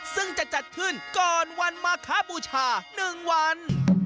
ซึ่งจะจัดขึ้นก่อนวันมาคบูชา๑วัน